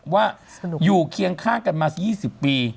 ว่าอยู่เคียงข้างกันมา๒๐ปี